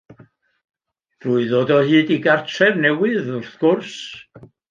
Drwy ddod o hyd i gartref newydd, wrth gwrs!